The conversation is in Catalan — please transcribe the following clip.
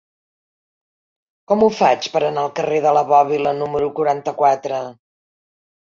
Com ho faig per anar al carrer de la Bòbila número quaranta-quatre?